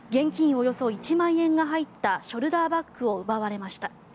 およそ１万円が入ったショルダーバッグを奪われました。